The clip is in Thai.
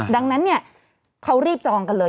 ดังนั้นเขารีบจองกันเลย